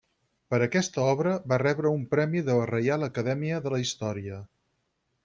Per aquesta obra va rebre un premi de la Reial Acadèmia de la Història.